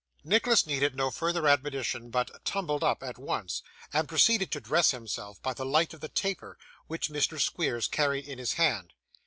Nicholas needed no further admonition, but 'tumbled up' at once, and proceeded to dress himself by the light of the taper, which Mr. Squeers carried in his hand.